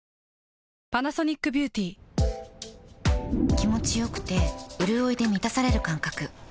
気持ちよくてうるおいで満たされる感覚